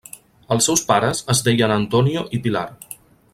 Els seus pares es deien Antonio i Pilar.